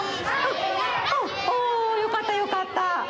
およかったよかった。